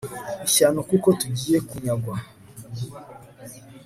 ishyano kuko tugiye kunyagwa